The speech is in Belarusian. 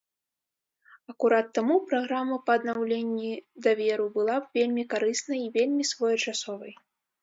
Акурат таму праграма па аднаўленні даверу была б вельмі карыснай і вельмі своечасовай.